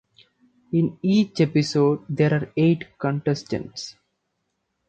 In each episode there are eight contestants.